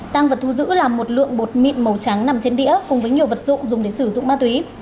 tăng vật thu giữ là một lượng bột mịn màu trắng nằm trên đĩa cùng với nhiều vật dụng dùng để sử dụng ma túy